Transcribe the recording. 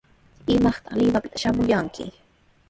¿Imaytaq Limapita shamurqayki?